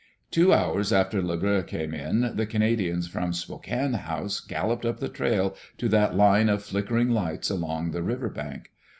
Two hours after Le Bleu came in, the Canadians from Spokane House galloped up the trail to that line of flick ering lights along the river bank.